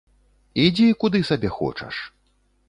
Ідзі, куды сабе хочаш.